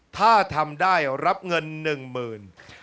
ถ้าทำได้รับเงินหนึ่งหมื่น